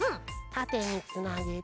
たてにつなげて。